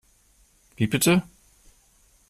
Wie bitte?